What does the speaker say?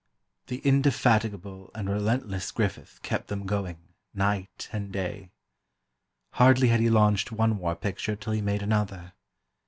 The indefatigable and relentless Griffith kept them going, night and day. Hardly had he launched one war picture till he made another.